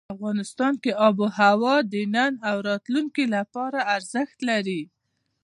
افغانستان کې آب وهوا د نن او راتلونکي لپاره ارزښت لري.